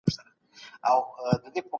د لابراتور څېړنه عملي تحقیقات ترسره کوي.